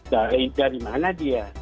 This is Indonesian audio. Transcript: dari mana dia